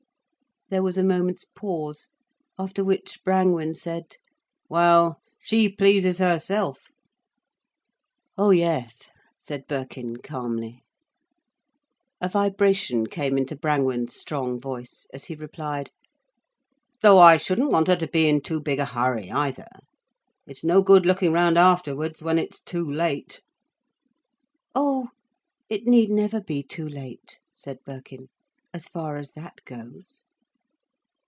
There was a moment's pause, after which Brangwen said: "Well, she pleases herself—" "Oh yes!" said Birkin, calmly. A vibration came into Brangwen's strong voice, as he replied: "Though I shouldn't want her to be in too big a hurry, either. It's no good looking round afterwards, when it's too late." "Oh, it need never be too late," said Birkin, "as far as that goes."